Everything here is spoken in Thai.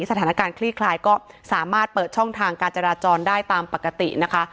คลี่คลายก็สามารถเปิดช่องทางการจราจรได้ตามปกตินะคะ